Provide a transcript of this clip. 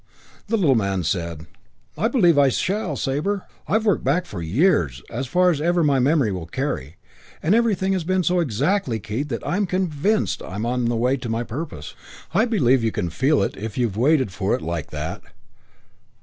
The little man said, "I believe I shall, Sabre. I've 'worked back' for years, as far as ever my memory will carry, and everything has been so exactly keyed that I'm convinced I'm in the way of my purpose. I believe you can feel it if you've waited for it like that.